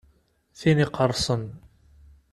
Tin iqqerṣen.